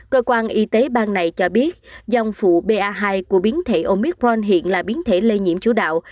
cơ quan y tế bang này cho biết dòng phụ ba hai của biến thể omicron hiện là biến thể lây nhiễm chủ đạo